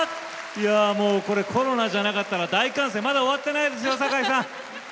もう、これコロナじゃなかったら大歓声まだ終わってないですよ堺さん！